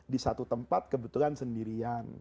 di satu tempat kebetulan sendirian